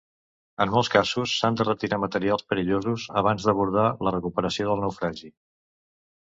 En molts casos, s'han de retirar materials perillosos abans d'abordar la recuperació del naufragi.